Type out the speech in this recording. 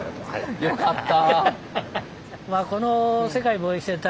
よかった。